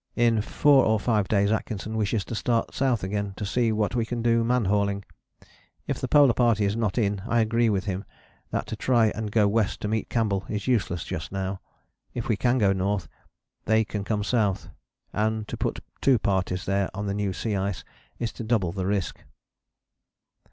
"In four or five days Atkinson wishes to start South again to see what we can do man hauling, if the Polar Party is not in. I agree with him that to try and go west to meet Campbell is useless just now. If we can go north, they can come south, and to put two parties there on the new sea ice is to double the risk."